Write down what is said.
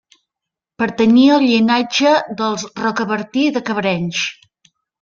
Pertanyia al llinatge dels Rocabertí de Cabrenys.